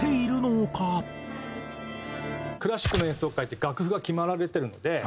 クラシックの演奏会って楽譜が決められてるので。